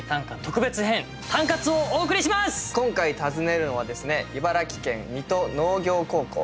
今回訪ねるのはですね茨城県水戸農業高校。